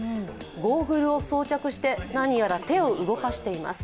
ゴーグルを装着して何やら手を動かしています。